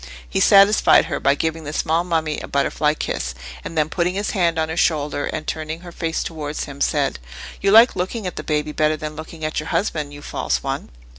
He satisfied her by giving the small mummy a butterfly kiss, and then putting his hand on her shoulder and turning her face towards him, said, "You like looking at the baby better than looking at your husband, you false one!"